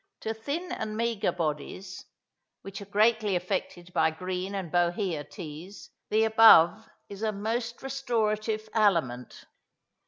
To thin and meagre bodies, which are greatly affected by green and bohea teas, the above is a most restorative aliment.